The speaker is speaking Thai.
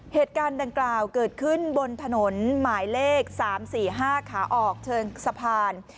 เหตุการณ์ดังกล่าวเกิดขึ้นบนถนนหมายเลข๓๔๕ขาออกเชิงสะพาน